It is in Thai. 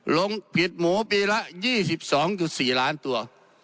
ลงผิดหมูปีละ๒๒๔ล้านตัว